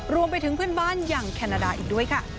รวมไปถึงเพื่อนบ้านอย่างแคนาดาอีกด้วยค่ะ